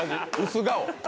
薄顔。